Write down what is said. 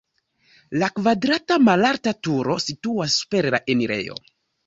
La kvadrata malalta turo situas super la enirejo.